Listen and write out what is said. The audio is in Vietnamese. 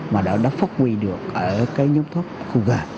mà đã phát huy được ở nhóm tháp khu gà